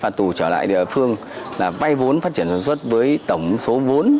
phạt tù trở lại địa phương là vay vốn phát triển sản xuất với tổng số vốn